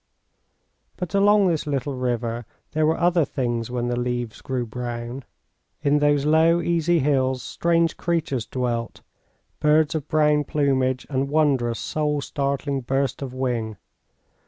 But along this little river there were other things when the leaves grew brown. In those low, easy hills strange creatures dwelt. Birds of brown plumage and wondrous, soul startling burst of wing.